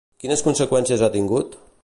Quines conseqüències ha tingut?